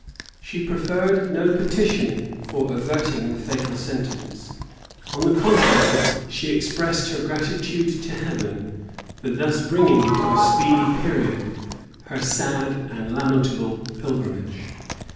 She preferred no petition for averting the fatal sentence: on the contrary she expressed her gratitude to Heaven for thus bringing to a speedy period her sad and lamentable pilgrimage.